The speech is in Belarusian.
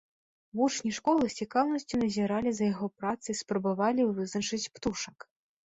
Вучні школы з цікаўнасцю назіралі за яго працай і спрабавалі вызначыць птушак.